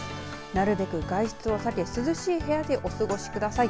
なるべく外出を避け涼しい部屋でお過ごしください。